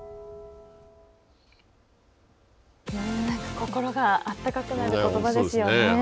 心があったかくなることばですよね。